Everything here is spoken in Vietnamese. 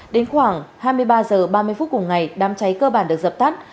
đến khoảng hai mươi ba h ba mươi phút cùng ngày đám cháy cơ bản được dập tắt